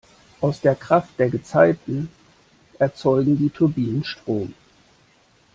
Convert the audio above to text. Aus der Kraft der Gezeiten erzeugen die Turbinen Strom.